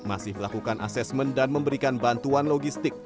masih melakukan asesmen dan memberikan bantuan logistik